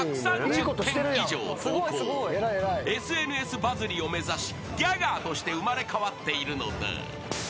［ＳＮＳバズリを目指しギャガーとして生まれ変わっているのだ］